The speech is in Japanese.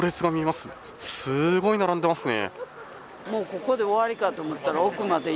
すごい並んでますね。